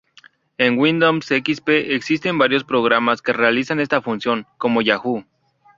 En Windows xp existen varios programas que realizan esta función, como Yahoo!